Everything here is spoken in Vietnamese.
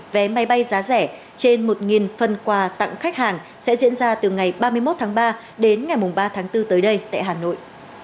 vé máy bay giá rẻ trên một phần quà tặng khách hàng sẽ diễn ra từ ngày ba mươi một tháng ba đến ngày ba tháng bốn tới đây tại hà nội